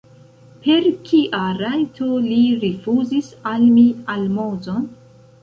Per kia rajto li rifuzis al mi almozon?